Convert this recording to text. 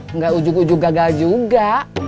nggak ujug ujug gagal juga